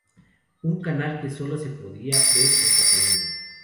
Un canal que sólo se podía ver en Cataluña.